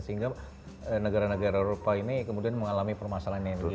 sehingga negara negara eropa ini kemudian mengalami permasalahan ini